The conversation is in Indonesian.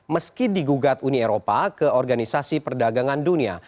meski digugat uni eropa ke organisasi perdagangan dunia